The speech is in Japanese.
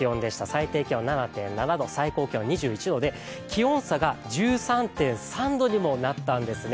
最低気温７．７度、最高気温２１度で気温差が１３．３度にもなったんですね。